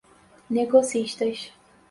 negocistas